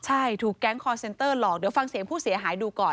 ใช่ถูกแก๊งคอร์เซ็นเตอร์หลอกเดี๋ยวฟังเสียงผู้เสียหายดูก่อน